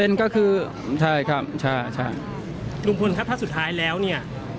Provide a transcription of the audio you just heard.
ก็คือใช่ครับใช่ใช่ลุงพลครับถ้าสุดท้ายแล้วเนี่ย